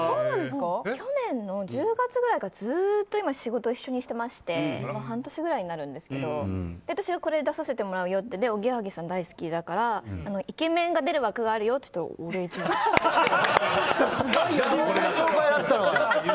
去年の１０月ぐらいからずっと仕事を一緒にしていまして半年ぐらいになるんですけど私、これに出させてもらうよっておぎやはぎさん大好きだからイケメンが出る枠があるよって言ったら。